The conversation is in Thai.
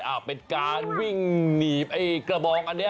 อ้าวเป็นการวิ่งหนีบกระบองอันนี้